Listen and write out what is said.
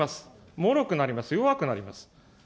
もろくなります、弱くなります。